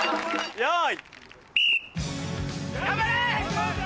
よい。